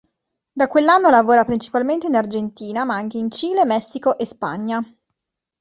Da quell'anno lavora principalmente in Argentina, ma anche in Cile, Messico e Spagna.